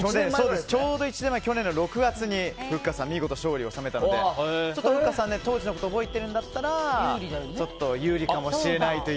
ちょうど１年前、去年の６月に見事勝利を収めたのでふっかさん当時のこと覚えてるんだったら有利かもしれないという。